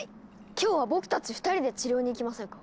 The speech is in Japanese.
今日は僕たち２人で治療に行きませんか？